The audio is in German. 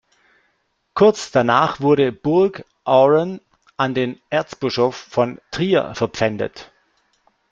Kurz danach wurde Burg Ouren an den Erzbischof von Trier verpfändet.